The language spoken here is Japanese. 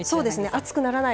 暑くならない。